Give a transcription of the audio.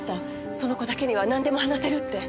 その子だけにはなんでも話せるって。